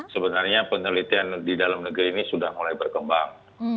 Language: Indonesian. sebenarnya penelitian di dalam negeri ini sudah mulai berkembang